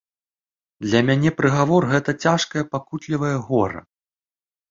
Для мяне прыгавор гэты цяжкае пакутлівае гора.